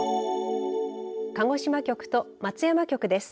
鹿児島局と松山局です。